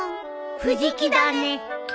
藤木だね。